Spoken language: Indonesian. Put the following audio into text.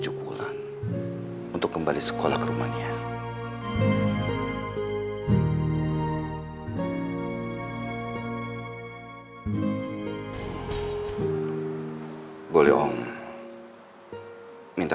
nanti kita bisa kembali sekolah langsung oke